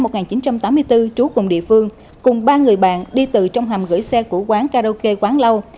trường thi sinh năm một nghìn chín trăm tám mươi bốn trú cùng địa phương cùng ba người bạn đi từ trong hàm gửi xe của quán karaoke quán lâu